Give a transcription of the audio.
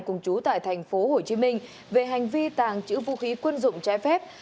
cùng chú tại tp hcm về hành vi tàng trữ vũ khí quân dụng trái phép